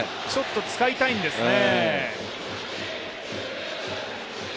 使いたいんですね。